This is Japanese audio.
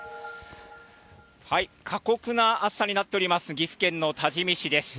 過酷な暑さになっております、岐阜県の多治見市です。